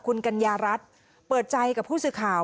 คุณกัญญารัฐเปิดใจกับผู้สื่อข่าว